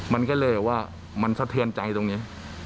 มันก็เลยแบบว่ามันสะเทือนใจตรงนี้